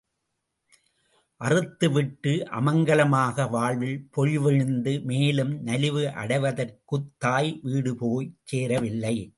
அறுத்து விட்டு அமங்கலமாக வாழ்வில் பொலிவிழந்து மேலும் நலிவு அடைவதற்குத் தாய் வீடு போய்ச் சேரவில்லை.